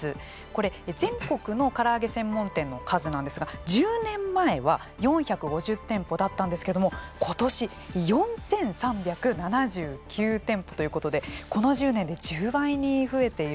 これ全国のから揚げ専門店の数なんですが１０年前は４５０店舗だったんですけれども今年４，３７９店舗ということでこの１０年で１０倍に増えているんですよね。